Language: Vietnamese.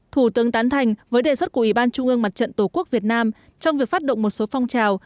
thủ tướng tán thành với đề xuất của ủy ban trung ương mặt trận tổ quốc việt nam trong việc phát động một số phong trào